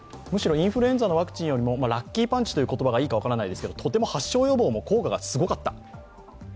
むしろインフルエンザのワクチンよりもラッキーパンチという言葉がいいかもしれないですけど、とても発症予防の効果がすごかった。